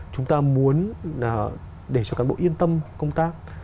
chúng ta muốn để cho cán bộ yên tâm công tác